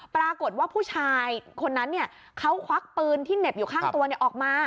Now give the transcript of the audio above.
ปรากฏว่าผู้ชายคนนั้นเขาควักปืนที่เหน็บอยู่ข้างตัวออกมา